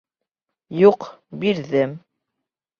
Юҡ, бирҙем.